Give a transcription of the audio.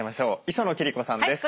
磯野貴理子さんです。